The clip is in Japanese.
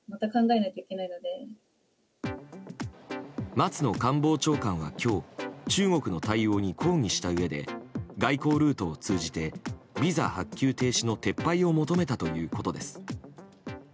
松野官房長官は今日中国の対応に抗議したうえで外交ルートを通じてビザ発給停止の撤廃を求めたということです。